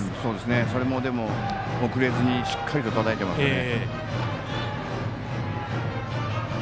それも遅れずにしっかり、たたいていますね。